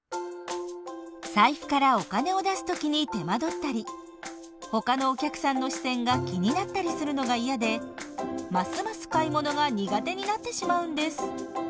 財布からお金を出す時に手間取ったりほかのお客さんの視線が気になったりするのが嫌でますます買い物が苦手になってしまうんです。